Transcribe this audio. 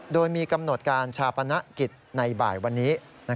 โดยมีกำหนดการชาปนกิจในบ่ายวันนี้